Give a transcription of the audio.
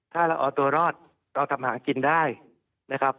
ถ้าเราเอาตัวรอดเราทำหากินได้นะครับ